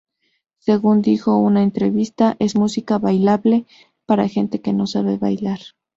Según dijo en una entrevista: “Es música bailable para gente que no sabe bailar.